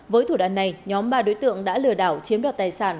với thủ đoạn này nhóm ba đối tượng đã lừa đảo chiếm đoạt tài sản